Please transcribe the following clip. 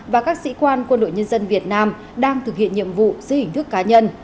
và các sĩ quan quân đội nhân dân việt nam đang thực hiện nhiệm vụ dưới hình thức cá nhân